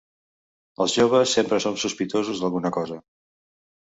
Els joves sempre som sospitosos d'alguna cosa.